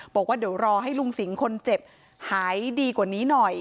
บอกว่าเดี๋ยวรอให้ลุงสิงห์คนเจ็บหายดีกว่านี้หน่อย